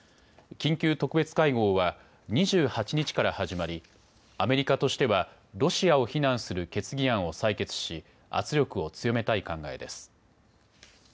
緊急特別会合は２８日から始まりアメリカとしてはロシアを非難する決議案を採決し圧力を強めたい考えです。